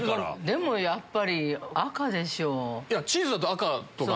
でもやっぱり赤でしょう。